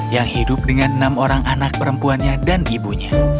yang hidup dengan enam orang anak perempuannya dan ibunya